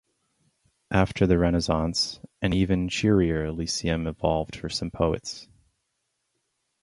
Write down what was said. After the Renaissance, an even cheerier Elysium evolved for some poets.